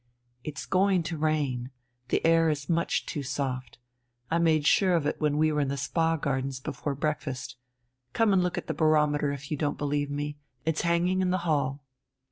"It's going to rain. The air is much too soft. I made sure of it when we were in the Spa Gardens before breakfast. Come and look at the barometer if you don't believe me. It's hanging in the hall...."